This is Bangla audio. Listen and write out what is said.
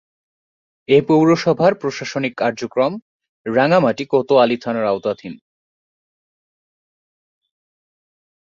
এ পৌরসভার প্রশাসনিক কার্যক্রম রাঙ্গামাটি কোতোয়ালী থানার আওতাধীন।